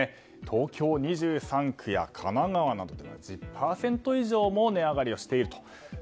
東京２３区や神奈川などが１０％以上も値上がりしています。